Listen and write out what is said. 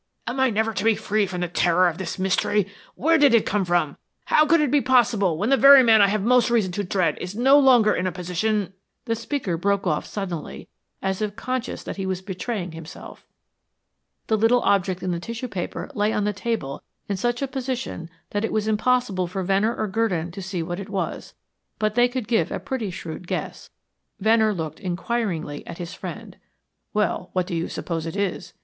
"Am I never to be free from the terror of this mystery? Where did it come from? How could it be possible when the very man I have most reason to dread is no longer in a position " The speaker broke off suddenly, as if conscious that he was betraying himself. The little object in the tissue paper lay on the table in such a position that it was impossible for Venner or Gurdon to see what it was, but they could give a pretty shrewd guess. Venn or looked inquiringly at his friend. "Well, what do you suppose it is?"